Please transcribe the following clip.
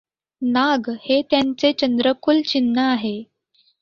नाग हे त्यांचे चंद्रकुल चिन्ह आहे.